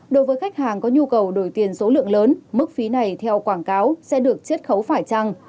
đối với khách hàng có nhu cầu đổi tiền số lượng lớn mức phí này theo quảng cáo sẽ được chiết khấu phải trăng